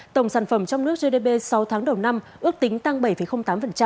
tổng sản phẩm trong nước gdp sáu tháng đầu năm ước tính tăng bảy tám